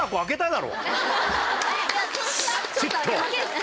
ちょっと開けました。